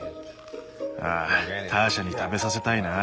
ああターシャに食べさせたいな。